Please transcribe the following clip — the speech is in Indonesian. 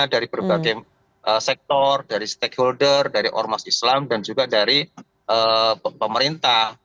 dari berbagai sektor dari stakeholder dari ormas islam dan juga dari pemerintah